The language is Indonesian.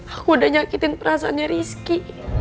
aku udah nyakitin perasaannya rizki